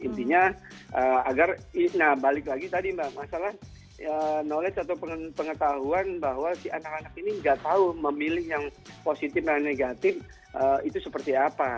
intinya agar nah balik lagi tadi mbak masalah knowledge atau pengetahuan bahwa si anak anak ini nggak tahu memilih yang positif dan negatif itu seperti apa